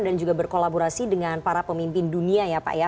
dan juga berkolaborasi dengan para pemimpin dunia ya pak ya